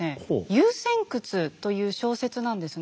「遊仙窟」という小説なんですね。